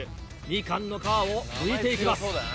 みかんの皮を剥いていきます。